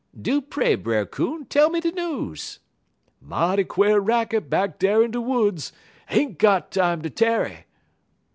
"'Do pray, Brer Coon, tell me de news.' "'Mighty quare racket back dar in de woods! Ain't got time ter tarry!'